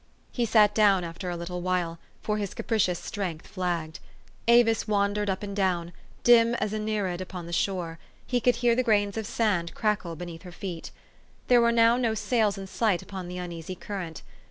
He sat down after a little while ; for his capricious strength flagged. Avis wandered up and down, dim as a nereid upon the shore : he could hear the grains of sand crackle beneath her feet. There were now no sails in sight upon the uneasy current.